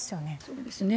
そうですね。